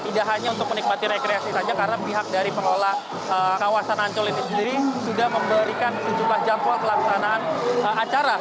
tidak hanya untuk menikmati rekreasi saja karena pihak dari pengelola kawasan ancol ini sendiri sudah memberikan sejumlah jadwal pelaksanaan acara